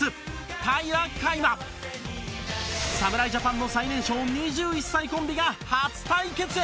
平良海馬侍ジャパンの最年少２１歳コンビが初対決へ！